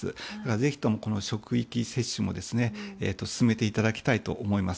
ぜひとも職域接種でも進めていただきたいと思います。